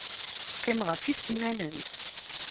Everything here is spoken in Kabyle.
Qqimeɣ ɣef yisennanen.